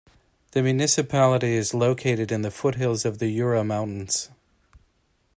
The municipality is located in the foothills of the Jura Mountains.